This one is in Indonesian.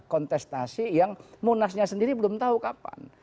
kontestasi yang munasnya sendiri belum tahu kapan